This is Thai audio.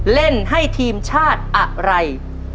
เล่นให้ทีมชาติอะไร